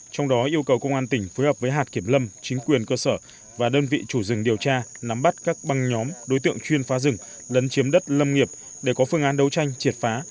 trong đó yêu cầu công an tỉnh phối hợp với hạt kiểm lâm chính quyền cơ sở và đơn vị chủ rừng điều tra nắm bắt các băng nhóm đối tượng chuyên phá rừng lấn chiếm đất lâm nghiệp để có phương án đấu tranh triệt phá